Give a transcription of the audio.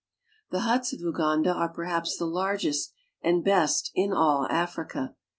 The huts of Uganda are perhaps the largest and best in all Africa.